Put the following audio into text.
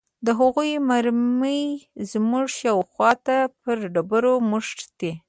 د هغوې مرمۍ زموږ شاوخوا ته پر ډبرو مښتې.